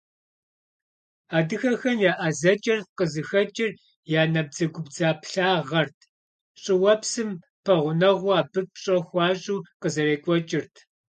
Адыгэхэм я ӀэзэкӀэр къызыхэкӀыр я набдзэгубдзаплъагъэрт, щӀыуэпсым пэгъунэгъуу, абы пщӀэ хуащӀу къызэрекӀуэкӀырт.